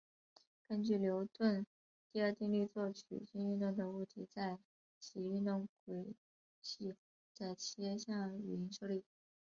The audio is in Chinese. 根据牛顿第二定律做曲线运动的物体在其运动轨迹的切向均受力。